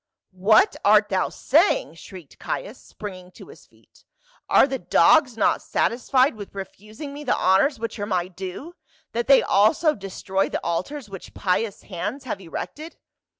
"What art thou saying !" shrieked Caius, springing to his feet. "Are the dogs not satisfied with refusing me the honors which are my due, that they also de stroy the altars which pious hands have erected?"